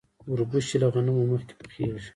وربشې له غنمو مخکې پخیږي.